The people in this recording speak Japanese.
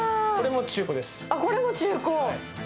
これも中古？